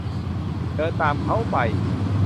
เดินตามเค้าไป